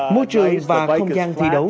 môi trường và không gian thi đấu